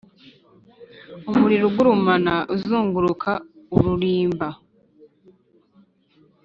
umuriro ugurumana uzunguruka uririmba,